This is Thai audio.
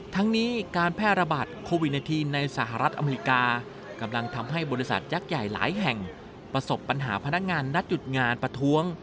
ทั้งนี้การแพร่ระบาดโควิด๑๙ในสหรัฐอเมริกากำลังทำให้บริษัทยักษ์ใหญ่หลายแห่งประสบปัญหาพนักงานนัดหยุดงานประท้วง